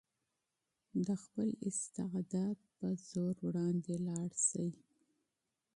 د خپل استعداد په زور وړاندې لاړ شئ.